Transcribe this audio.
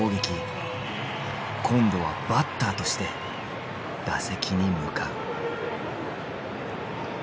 今度はバッターとして打席に向かう。